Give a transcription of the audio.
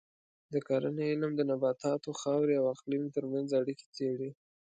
د کرنې علم د نباتاتو، خاورې او اقلیم ترمنځ اړیکې څېړي.